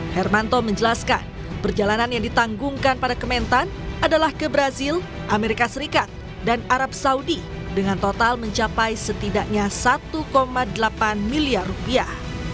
hermanto menjelaskan perjalanan yang ditanggungkan pada kementan adalah ke brazil amerika serikat dan arab saudi dengan total mencapai setidaknya satu delapan miliar rupiah